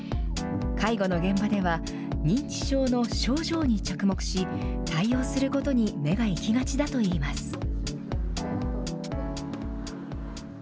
介護の現場では、認知症の症状に着目し、対応することに目が行きがちだといいます。